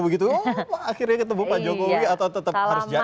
begitu akhirnya ketemu pak jokowi atau tetap harus jahin